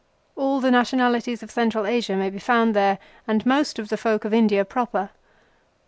All the nationalities of Central Asia may be found there, and most of the folk of India proper.